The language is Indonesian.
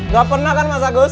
gak pernah kan mas agus